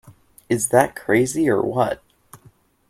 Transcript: Is that crazy or what?